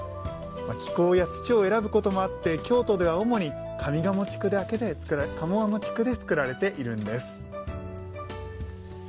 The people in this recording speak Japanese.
気候や土を選ぶこともあって京都では主に上賀茂地区で作られているんです。